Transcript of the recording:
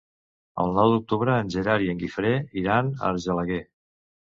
El nou d'octubre en Gerard i en Guifré iran a Argelaguer.